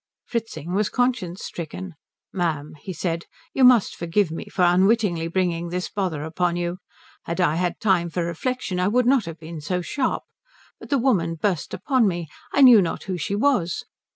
Fritzing was conscience stricken. "Ma'am," he said, "you must forgive me for unwittingly bringing this bother upon you. Had I had time for reflection I would not have been so sharp. But the woman burst upon me. I knew not who she was.